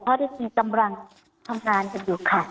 พอที่มีกำลังทำงานอยู่ค่ะ